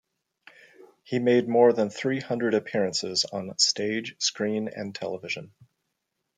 He made more than three hundred appearances on stage, screen, and television.